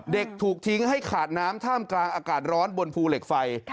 เด็กถูกทิ้งให้ขาดน้ำท่ามกลางอากาศร้อนบนภูเหล็กไฟ